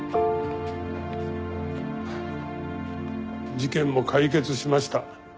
事件も解決しました。